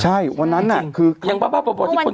ใช่วันนั้นอ่ะคือคร่าวคูณตอนเองเนี่ยยยย